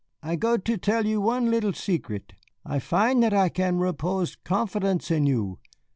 "I go to tell you one leetle secret. I find that I can repose confidence in you.